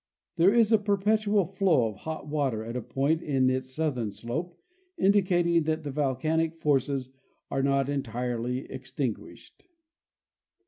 There is a perpetual flow of hot water at a point in its southern slope, indicating that the volcanic forces are not entirely extinguished.